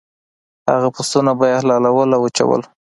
هغه پسونه به یې حلالول او وچول.